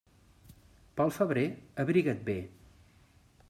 Pel febrer, abriga't bé.